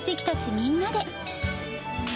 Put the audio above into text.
みんなで。